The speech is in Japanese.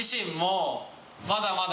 まだまだ。